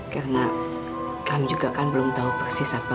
karena kami juga kan belum tahu persis apa